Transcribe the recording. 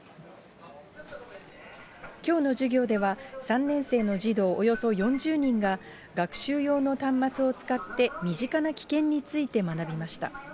きょうの授業では、３年生の児童およそ４０人が、学習用の端末を使って、身近な危険について学びました。